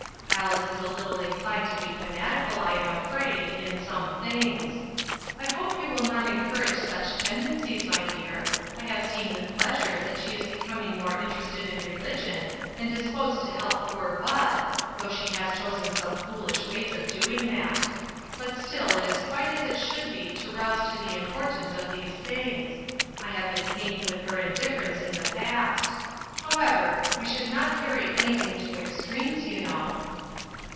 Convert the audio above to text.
Alice is a little inclined to be fanatical, I am afraid, in some things. I hope you will not en courage such tendencies, my dear. I have seen with pleasure that she is becoming more interested in religion, and disposed to Tielp poor Bud, though she has chosen some fool UNPALATABLE TRUTHS. 353 ish ways of doing that but still it is quite as it should be to rouse to the importance of these things ; I have been pained with her indifference in the past. However, we should not carry anything to extremes, you know."